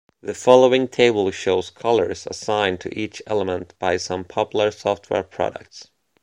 The following table shows colors assigned to each element by some popular software products.